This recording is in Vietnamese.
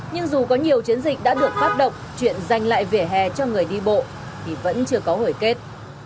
nhưng dù có nhiều chiến dịch đã được phát động chuyện dành lại vỉa hè cho người đi bộ thì vẫn chưa có hồi kết